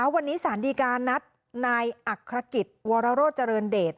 วันนี้สารดีการนัดนายอักษรกิจวรโรเจริญเดช